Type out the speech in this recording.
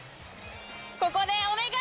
ここでお願い！